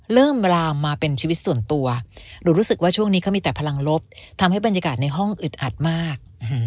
ลามมาเป็นชีวิตส่วนตัวหนูรู้สึกว่าช่วงนี้เขามีแต่พลังลบทำให้บรรยากาศในห้องอึดอัดมาก